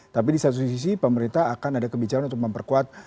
tapi di satu sisi pemerintah akan ada kebijakan untuk memperkuat